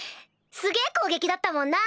すげぇ攻撃だったもんな！